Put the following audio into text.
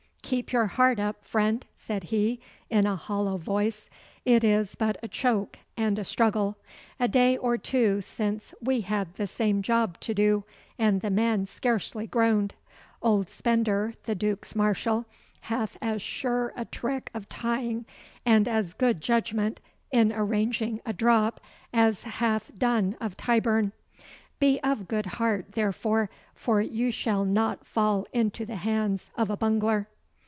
'Keep your heart up, friend,' said he, in a hollow voice. 'It is but a choke and a struggle. A day or two since we had the same job to do, and the man scarcely groaned. Old Spender, the Duke's marshal, hath as sure a trick of tying and as good judgment in arranging a drop as hath Dun of Tyburn. Be of good heart, therefore, for you shall not fall into the hands of a bungler.